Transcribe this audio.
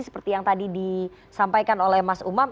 seperti yang tadi disampaikan oleh mas umam